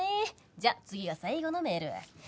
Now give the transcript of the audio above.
じゃあ次が最後のメール。